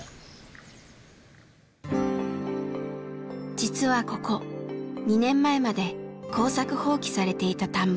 実はここ２年前まで「耕作放棄」されていた田んぼ。